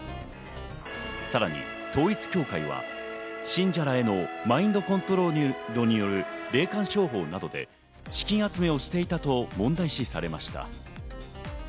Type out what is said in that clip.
さらに統一教会は、信者らへのマインドコントロールによる霊感商法などで資金集めをしていたと問題視されました。